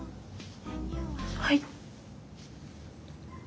はい。